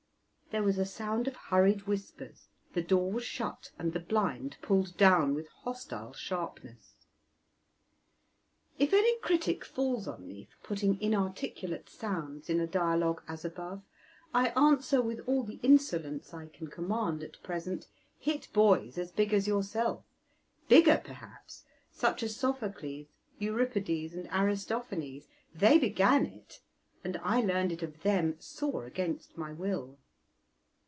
There was a sound of hurried whispers; the door was shut and the blind pulled down with hostile sharpness. If any critic falls on me for putting inarticulate sounds in a dialogue as above, I answer, with all the insolence I can command at present, "Hit boys as big as yourself" bigger, perhaps, such as Sophocles, Euripides, and Aristophanes; they began it, and I learned it of them sore against my will.